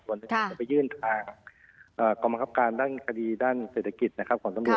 ส่วนนี้ก็จะยืนทางกรรมครับการด้านคดีด้านเศรษฐกิจของตรงโหลด